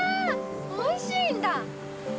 おいしいんだ！